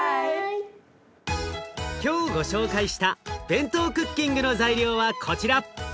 今日ご紹介したＢＥＮＴＯクッキングの材料はこちら。